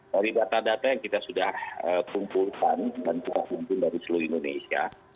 dari data data yang kita sudah kumpulkan dan kita kumpul dari seluruh indonesia